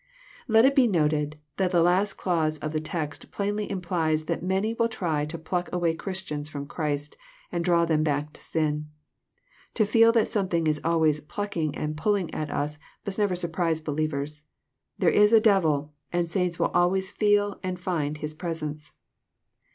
Let it be noted that the last clause of the text plainly implies ^that many will try to pluck away Christians from Christ, &nd draw them back to sin. To feel that something is always plucking " and <* pulling " at us must never surprise believers. / There is a devil, and saints will always feel and find his pres ence.